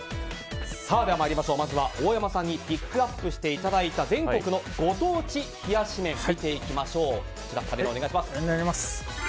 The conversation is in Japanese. では、まずは大山さんにピックアップしていただいた全国のご当地冷やし麺を見ていきましょう。